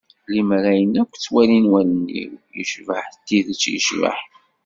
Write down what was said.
Limmer ayen akk ttwalint wallen-iw yecbeḥ d tidet yecbeḥ.